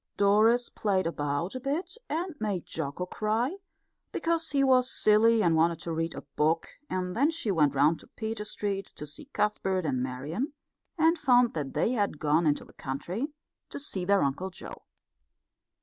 Doris played about a bit and made Jocko cry, because he was silly and wanted to read a book; and then she went round to Peter Street to see Cuthbert and Marian, and found that they had gone into the country to see their Uncle Joe.